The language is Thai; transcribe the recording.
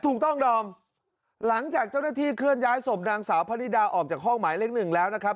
ถูกต้องดอมหลังจากเจ้าหน้าที่เคลื่อนย้ายศพนางสาวพระนิดาออกจากห้องหมายเลขหนึ่งแล้วนะครับ